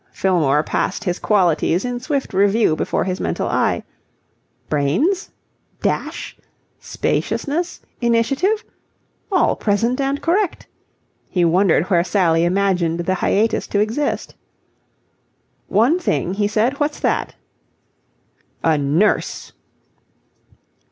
Fillmore passed his qualities in swift review before his mental eye. Brains? Dash? Spaciousness? Initiative? All present and correct. He wondered where Sally imagined the hiatus to exist. "One thing?" he said. "What's that?" "A nurse."